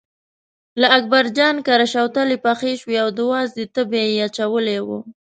له اکبرجان کره شوتلې پخې شوې او د وازدې تبی یې اچولی و.